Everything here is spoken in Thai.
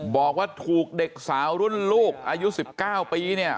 บอกว่าถูกเด็กสาวรุ่นลูกอายุ๑๙ปีเนี่ย